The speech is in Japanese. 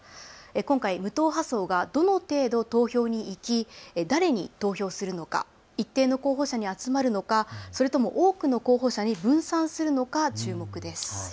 今回、無党派層がどの程度投票に行き、誰に投票をするのか、一定の候補者に集まるのか、それとも多くの候補者に分散するのか注目です。